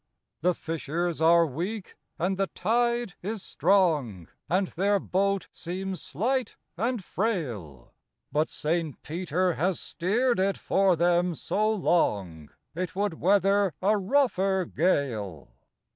The fishers are weak, and the tide is strong, And their boat seems slight and frail; But St. Peter has steered it for them so long, It would weather a rougher gale.